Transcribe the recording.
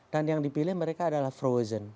dan yang dipilih mereka adalah frozen